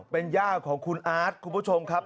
เป็นย่าของคุณอาร์ตคุณผู้ชมครับ